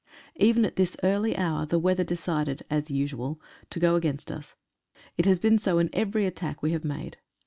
Even at this early hour the weather decided, as usual, 1o go against us. It has been so in every attack we have made.